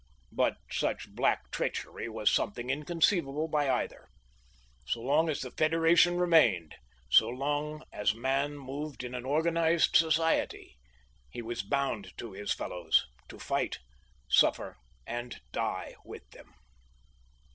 But such black treachery was something inconceivable by either. So long as the Federation remained, so long as man moved in an organized society, he was bound to his fellows, to fight, suffer, and die with them.